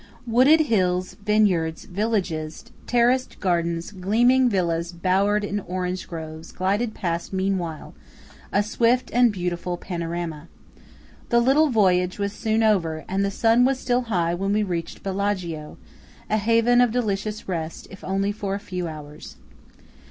Wooded hills, vineyards, villages, terraced gardens, gleaming villas bowered in orange groves, glided past meanwhile–a swift and beautiful panorama. The little voyage was soon over, and the sun was still high when we reached Bellaggio; a haven of delicious rest, if only for a few hours.